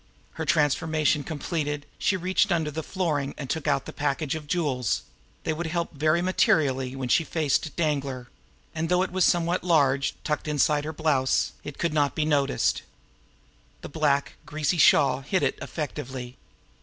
Her transformation completed, she reached in under the flooring and took out the package of jewels they would help very materially when she faced Danglar! and, though it was somewhat large, tucked it inside her blouse. It could not be noticed. The black, greasy shawl hid it effectively.